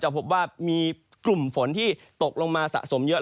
พบว่ามีกลุ่มฝนที่ตกลงมาสะสมเยอะ